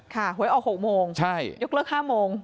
ค่ะออกหวย๖โมงยกเลิก๕โมง